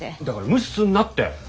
だから無視すんなって！